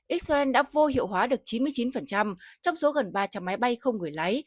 israel đã vô hiệu hóa được chín mươi chín trong số gần ba trăm linh máy bay không người lái